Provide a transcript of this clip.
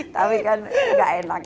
tapi kan gak enak